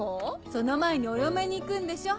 その前にお嫁にいくんでしょ？